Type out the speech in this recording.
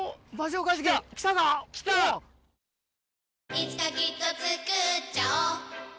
いつかきっとつくっちゃおう